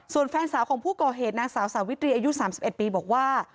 ส่วนแฟนสาวของผู้ก่อเหตุนางสาวสาวิตรีอายุ๓๑ปีบอกว่า